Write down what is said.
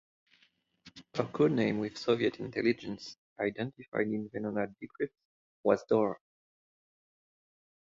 Her code name with Soviet intelligence, identified in Venona decrypts, was "Dora".